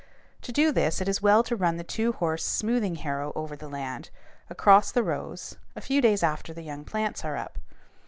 To do this, it is well to run the two horse smoothing harrow over the land, across the rows, a few days after the young plants are up.